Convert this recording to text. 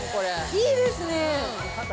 いいですね。